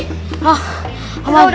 eh maaf pakde